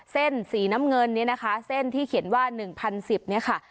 เส้นสีน้ำเงินนี้นะคะเส้นที่เขียนว่าหนึ่งพันสิบเนี้ยค่ะ